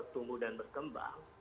tumbuh dan berkembang